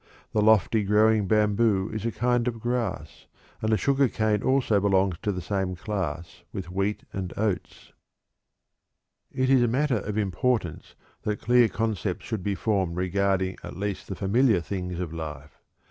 The lofty growing bamboo is a kind of grass, and the sugar cane also belongs to the same class with wheat and oats." It is a matter of importance that clear concepts should be formed regarding at least the familiar things of life.